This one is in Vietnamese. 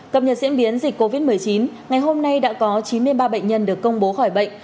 cập nhật diễn biến dịch covid một mươi chín ngày hôm nay đã có chín mươi ba bệnh nhân được công bố khỏi bệnh